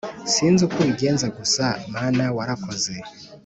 Sinzi uko ubigenza gusa mana warakoze